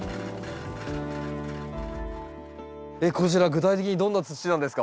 こちら具体的にどんな土なんですか？